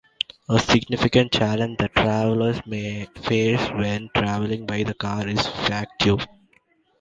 A significant challenge that travellers may face when travelling by car is fatigue.